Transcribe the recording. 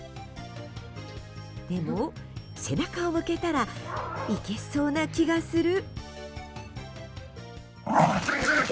でも、背中を向けたらいけそうな気がする。